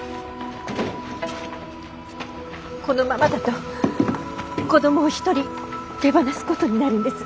このままだと子供を一人手放すことになるんです。